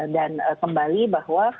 dan kembali bahwa